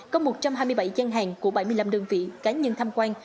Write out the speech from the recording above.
có một trăm hai mươi bảy gian hàng của bảy mươi năm đơn vị cá nhân tham quan